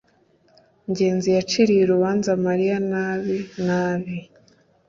ngenzi yaciriye urubanza mariya nabi nabi